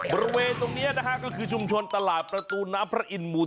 บริเวณตรงนี้นะฮะก็คือชุมชนตลาดประตูน้ำพระอินทร์หมู่๔